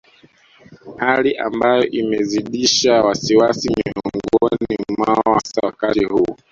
Hali ambayo imezidisha wasiwasi miongoni mwao hasa wakati huu